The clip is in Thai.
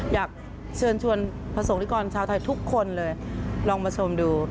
อยากเชิญชวนประสงค์นิกรชาวไทยทุกคนเลยลองมาชมดู